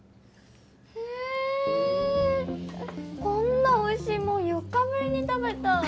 こんなおいしいもん４日ぶりに食べた。